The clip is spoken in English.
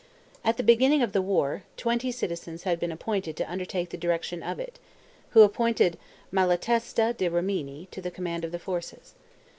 At the beginning of the war, twenty citizens had been appointed to undertake the direction of it, who appointed Malatesta da Rimini to the command of the forces.